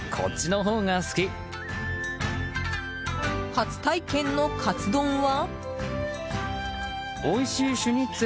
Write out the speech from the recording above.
初体験のかつ丼は？